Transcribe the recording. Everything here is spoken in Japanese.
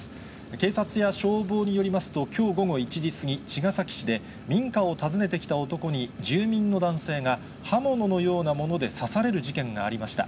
警察や消防によりますと、きょう午後１時過ぎ、茅ヶ崎市で民家を訪ねてきた男に住民の男性が刃物のようなもので刺される事件がありました。